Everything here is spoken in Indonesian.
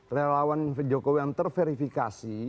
relawan jokowi yang terverifikasi